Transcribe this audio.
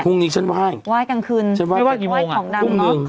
พรุ่งนี้ฉันไหว้ไหว้กลางคืนไม่ไหว้กี่โมงอ่ะพรุ่งนึง